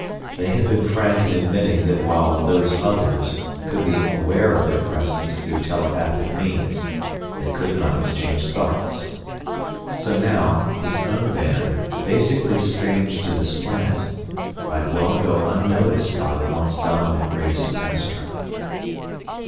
They had been frank in admitting that while Those Others could be aware of their presence through telepathic means, they could not exchange thoughts. So now, his own band, basically strange to this planet, might well go unnoticed by the once dominant race of Astra.